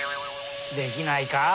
できないかあ。